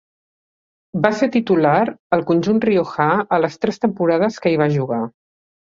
Va ser titular al conjunt riojà a les tres temporades que hi va jugar.